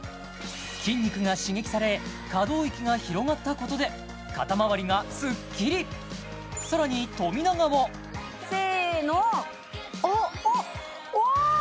筋肉が刺激され可動域が広がったことで肩まわりがスッキリさらに富永もせーのおっおお！